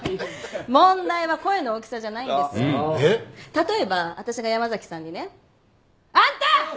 例えば私が山崎さんにねあんた！